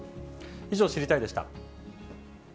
以上、知りたいッ！でした。